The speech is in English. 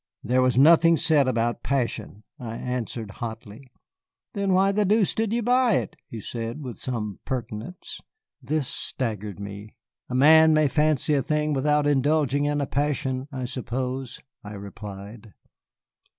"There was nothing said about passion," I answered hotly. "Then why the deuce did you buy it?" he said with some pertinence. This staggered me. "A man may fancy a thing, without indulging in a passion, I suppose," I replied.